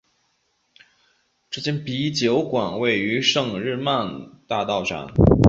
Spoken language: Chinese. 这间啤酒馆位于圣日耳曼大道上。